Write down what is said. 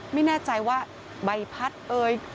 ไม่แน่ใจว่าใบพัดเอ่ย